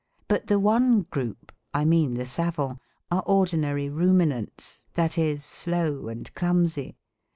But the one group, I mean the savants, are ordinary ruminants, that is, slow and clumsy.